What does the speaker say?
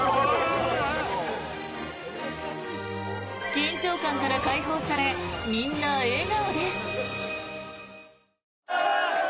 緊張感から解放されみんな笑顔です。